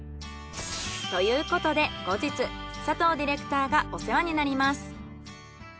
ということで後日佐藤ディレクターがお世話になります。